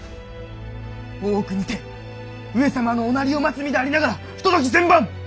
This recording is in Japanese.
大奥にて上様のおなりを待つ身でありながら不届き千万！